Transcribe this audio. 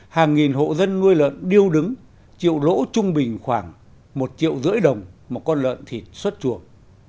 hàng nghìn hộ dân nuôi lợn điêu đứng chịu lỗ trung bình khoảng một triệu rưỡi đồng một con lợn thịt xuất chuồng